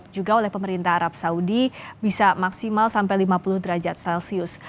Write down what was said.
juga oleh pemerintah arab saudi bisa maksimal sampai lima puluh derajat celcius